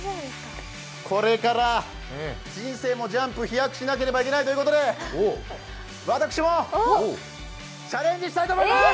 これから人生も飛躍しなければいけないということで私もチャレンジしたいと思います。